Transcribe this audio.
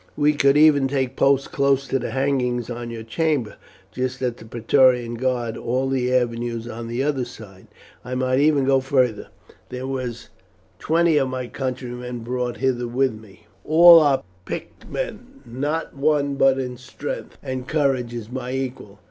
We could even take post close to the hangings of your chamber, just as the Praetorians guard all the avenues on the other side. I might even go further. There were twenty of my countrymen brought hither with me. All are picked men, not one but in strength and courage is my equal.